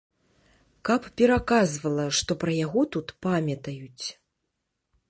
Каб пераказвала, што пра яго тут памятаюць.